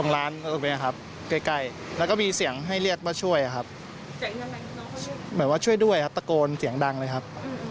แล้วเข้าไปดูผู้หญิงครับ